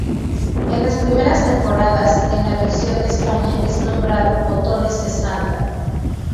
En las primeras temporadas, en la versión de España es nombrado "Botones de santa".